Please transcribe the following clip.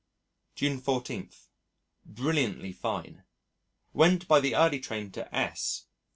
June 14. Brilliantly fine. Went by the early train to S